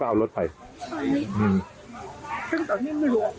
ก็ลบมาเคยดูตอนคนนี้